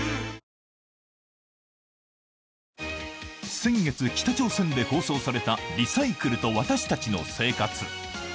先月、北朝鮮で放送されたリサイクルと私たちの生活。